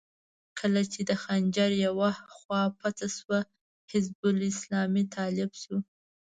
کله چې د خنجر يوه خوا پڅه شوه، حزب اسلامي طالب شو.